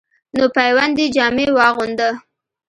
نو پیوندي جامې واغوندۀ،